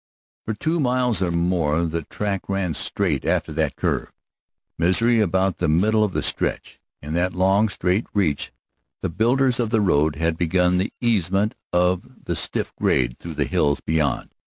For two miles or more the track ran straight after that curve, Misery about the middle of the stretch. In that long, straight reach the builders of the road had begun the easement of the stiff grade through the hills beyond.